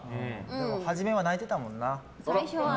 初めは泣いてたもんな。